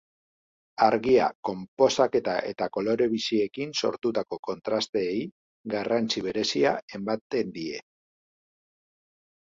Argia, konposaketa eta kolore biziekin sortutako kontrasteei garrantzi berezia ematen die.